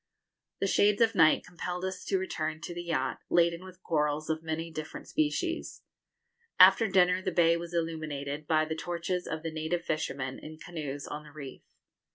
The shades of night compelled us to return to the yacht, laden with corals of many different species. After dinner the bay was illuminated by the torches of the native fishermen, in canoes, on the reef.